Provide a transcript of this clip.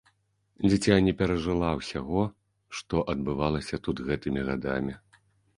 Дзіця не перажыла ўсяго, што адбывалася тут гэтымі гадамі.